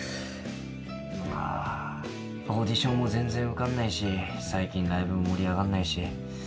まあオーディションも全然受かんないし最近ライブも盛り上がんないし。